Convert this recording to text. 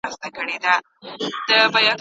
تل په ګټورو فعالیتونو باندي ځان بوخت ساتئ.